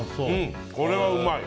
これはうまい。